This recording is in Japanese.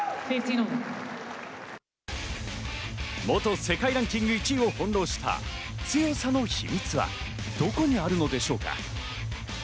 元世界ランキング１位を翻弄した強さの秘密はどこにあるのでしょうか？